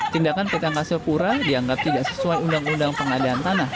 tindakan pt angkasa pura dianggap tidak sesuai undang undang pengadaan tanah